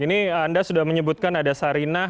ini anda sudah menyebutkan ada sarinah